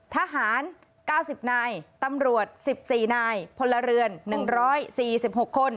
ทหารเก้าสิบนายตำรวจสิบสี่นายพลเรือนหนึ่งร้อยสี่สิบหกคน